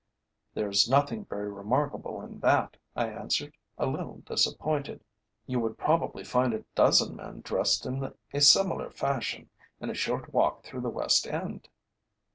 "There is nothing very remarkable in that," I answered, a little disappointed. "You would probably find a dozen men dressed in a similar fashion in a short walk through the West End."